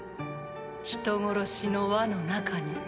人殺しの輪の中に。